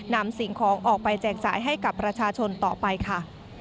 สิ่งของออกไปแจกจ่ายให้กับประชาชนต่อไปค่ะ